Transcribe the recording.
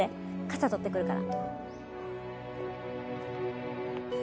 傘取ってくるから